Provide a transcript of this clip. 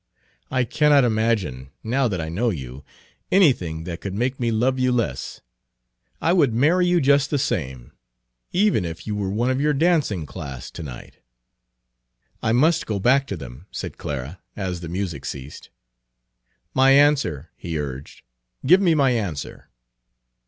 I cannot imagine, now that I know you, anything that could make me love you less. I would marry you just the same even if you were one of your dancing class to night." "I must go back to them," said Clara, as the music ceased. "My answer," he urged, "give me my answer!"